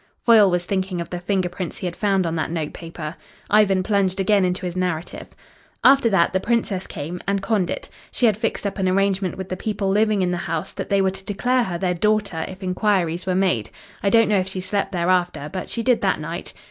Foyle was thinking of the finger prints he had found on that notepaper. Ivan plunged again into his narrative. "After that the Princess came, and Condit. She had fixed up an arrangement with the people living in the house that they were to declare her their daughter if inquiries were made. I don't know if she slept there after, but she did that night.